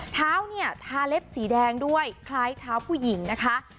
เท้าเนี่ยทาเล็บสีแดงด้วยคล้ายเท้าผู้หญิงนะคะ